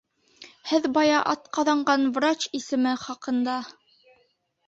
Һеҙ бая атҡаҙанған врач исеме хаҡында...